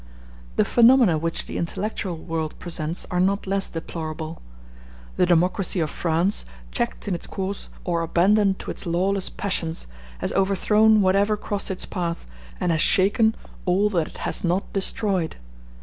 The phenomena which the intellectual world presents are not less deplorable. The democracy of France, checked in its course or abandoned to its lawless passions, has overthrown whatever crossed its path, and has shaken all that it has not destroyed.